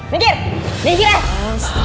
dikir dikir eh